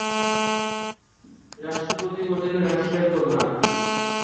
রাষ্ট্রপতি হলেন রাষ্ট্রের প্রধান।